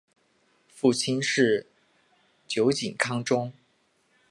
父亲是酒井康忠。